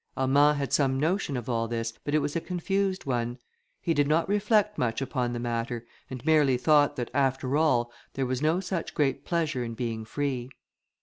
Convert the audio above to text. Armand had some notion of all this, but it was a confused one: he did not reflect much upon the matter, and merely thought that, after all, there was no such great pleasure in being free.